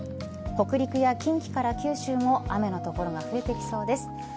北陸や近畿から九州も雨の所が増えてきそうです。